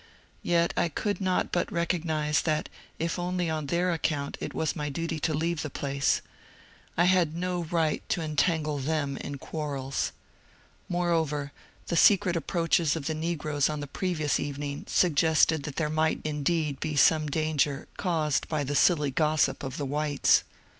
Yet I could not but recognize that if only on their account it was my duty to leave the place ; I had no right to entangle them in quar EXILED FROM HOME 191 rels. Moreover, ibe secret approaches of the negroes on the previous evening suggested that there might indeed be some danger, caused by the silly gossip of the whites.